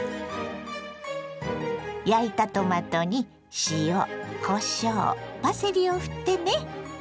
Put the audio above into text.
焼いたトマトに塩こしょうパセリをふってね。